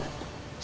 dia sudah berubah